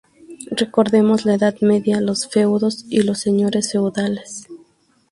Recordemos la Edad Media, los feudos y los señores feudales.